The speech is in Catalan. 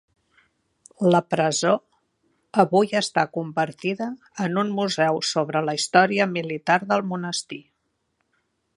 La presó avui està convertida en un museu sobre la història militar del monestir.